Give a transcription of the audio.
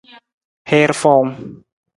Hiir fowung.